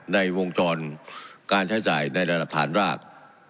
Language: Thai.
ในวงจรการใช้จ่ายในระดับฐานราก